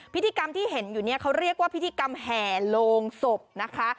พิธีกรรมที่เห็นอยู่เนี่ยเขาเรียกว่าพิธีกรรมแห่โลงศพนะคะ